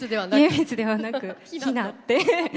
家光ではなく比奈って。